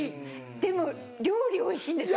でも料理おいしいんですよ。